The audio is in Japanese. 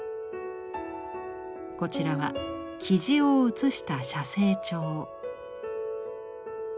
こちらはキジを写した「写生帖」。